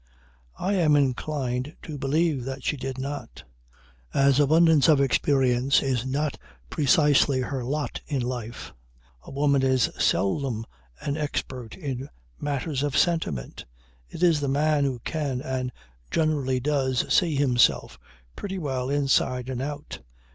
I am inclined to believe that she did not. As abundance of experience is not precisely her lot in life, a woman is seldom an expert in matters of sentiment. It is the man who can and generally does "see himself" pretty well inside and out.